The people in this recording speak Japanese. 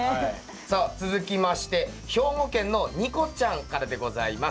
さあ続きまして兵庫県のにこちゃんからでございます。